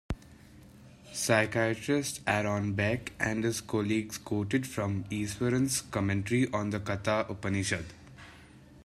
Psychiatrist Aaron Beck and his colleagues quoted from Easwaran's commentary on the Katha Upanishad.